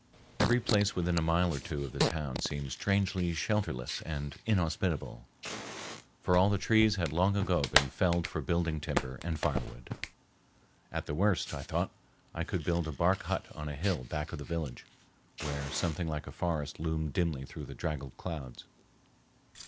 Every place within a mile or two of the town seemed strangely shelterless and inhospitable, for all the trees had long ago been felled for building timber and firewood. At the worst, I thought, I could build a bark hut on a hill back of the village, where something like a forest loomed dimly through the draggled clouds.